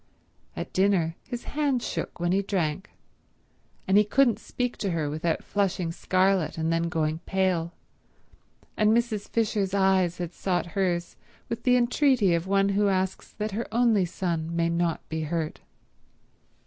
At dinner his hand shook when he drank, and he couldn't speak to her without flushing scarlet and then going pale, and Mrs. Fisher's eyes had sought hers with the entreaty of one who asks that her only son may not be hurt.